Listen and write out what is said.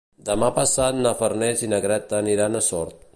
Demà passat na Farners i na Greta aniran a Sort.